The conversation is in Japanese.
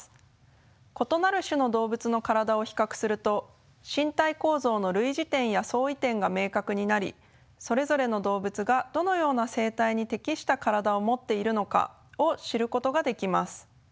異なる種の動物の体を比較すると身体構造の類似点や相違点が明確になりそれぞれの動物がどのような生態に適した体を持っているのかを知ることができます。